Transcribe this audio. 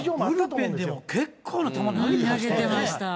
ブルペンでも結構な球投げてましたよね。